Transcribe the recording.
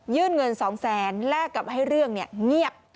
ยื่นเงิน๒๐๐๐๐๐แรกกับให้เรื่องเงียบ